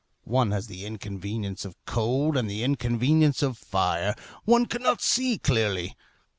One has the inconvenience of cold, and the inconvenience of fire. One cannot see clearly.